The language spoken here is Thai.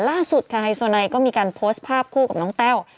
ล่าสุดค่ะไฮโซไนก็มีการโพสต์ภาพคู่กับน้องแต้ว